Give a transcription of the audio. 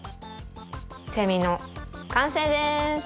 せみのかんせいです。